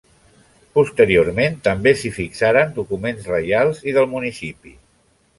Posteriorment també s'hi fixaren documents reials i del municipi.